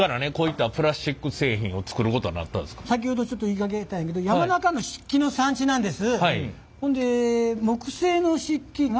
先ほどちょっと言いかけたんやけど山中の漆器の産地なんです。